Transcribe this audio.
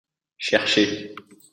Cherchez.